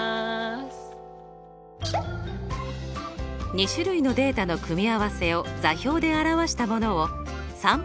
２種類のデータの組み合わせを座標で表したものを散布